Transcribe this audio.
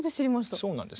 そうなんです。